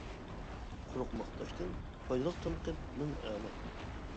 قۇرۇق ماختاشتىن پايدىلىق تەنقىد مىڭ ئەلا.